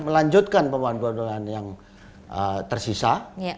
melanjutkan pembangunan yang tersisa